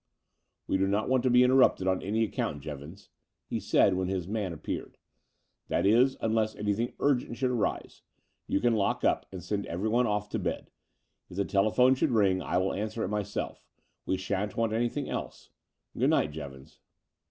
"We do not want to be interrupted on any account, Jevons," he said, when his man ap peared — "that is, unless anything urgent should arise. You can lock up and send everyone oflF to bed. If the telephone should ring I will answer it myself. We shan't want anything else. Good night, Jevons."